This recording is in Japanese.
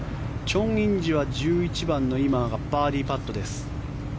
チョン・インジは１１番の今がバーディーパットです。